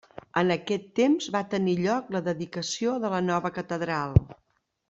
En aquest temps va tenir lloc la dedicació de la nova catedral.